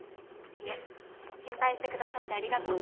いえ心配して下さってありがとうございます。